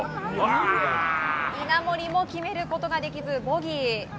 稲森も決めることができずボギー。